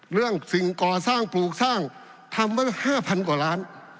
เรื่องสิ่งกอสร้างปลูกสร้างทำไว้ตรง๕๐๐๐กว่าล้าน